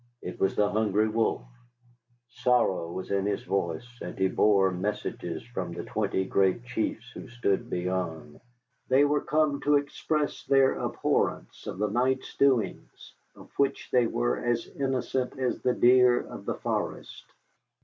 It was the Hungry Wolf. Sorrow was in his voice, and he bore messages from the twenty great chiefs who stood beyond. They were come to express their abhorrence of the night's doings, of which they were as innocent as the deer of the forest.